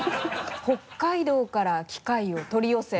北海道から機械を取り寄せ。